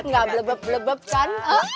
gak blebeb blebeb kan